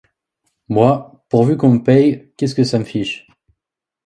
Moi, pourvu qu’on me paye, qu’est-ce que ça me fiche?...